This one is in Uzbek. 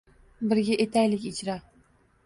Birga etaylik ijro!